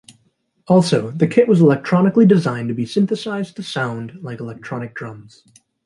Also, the kit was electronically designed to be "synthesized" to sound like electronic drums.